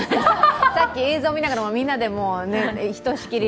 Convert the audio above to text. さっき映像、見ながらみんなでひとしきり。